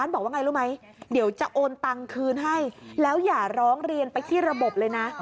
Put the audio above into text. บอกว่าไงรู้ไหมเดี๋ยวจะโอนตังคืนให้แล้วอย่าร้องเรียนไปที่ระบบเลยนะ